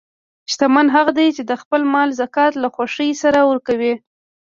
شتمن هغه دی چې د خپل مال زکات له خوښۍ سره ورکوي.